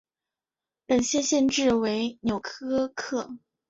本县县治为纽柯克。